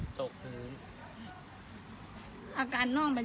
พี่ตุ๊กพี่หมูผ่าเจ้าของมา